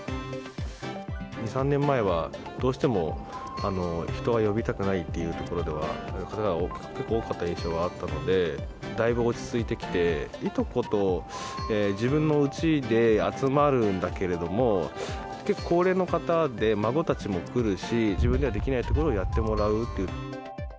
２、３年前は、どうしても人を呼びたくないっていう人が多かった印象はあるので、だいぶ落ち着いてきて、いとこと自分のうちで集まるんだけれども、高齢の方で、孫たちも来るし、自分ではできない所をやってもらうっていう。